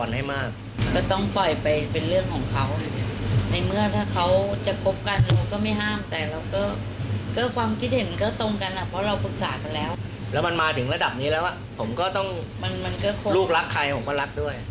แล้วก็ก็มาถึงระดับนี้แล้วลูกรักใครก็รักด้วยเพิ่มมันมาถึงระดับในจริงใจดีต้องได้